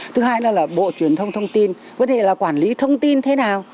thứ hai là bộ truyền thông thông tin vấn đề là quản lý thông tin thế nào